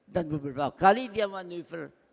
dan beberapa kali dia manuver